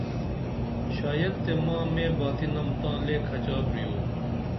شاید تے ماں مے باتِنم تاں لے کھچا پرِیو